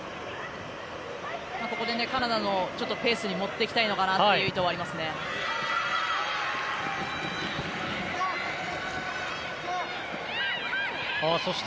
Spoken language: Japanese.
ここでカナダのペースに持っていきたいのかなという意図はありますね。